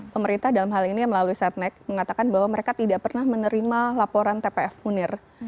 pemerintah dalam hal ini melalui setnek mengatakan bahwa mereka tidak pernah menerima laporan tpf munir